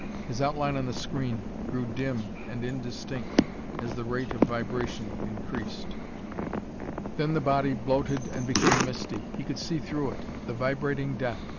His outline on the screen grew dim and indistinct as the rate of vibration increased. Then the body bloated and became misty. He could see through it. The vibrating death!